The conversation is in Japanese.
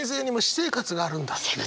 私生活があるんだ。